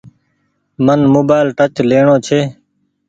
من موبآئيل ٽچ ليڻو ڇي۔